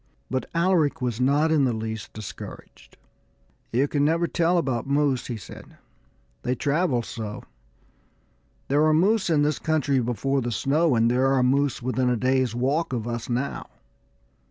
But Alaric was not in the least discouraged. "You can never tell about moose," he said; "they travel so. There were moose in this country before the snow, and there are moose within a day's walk of us now.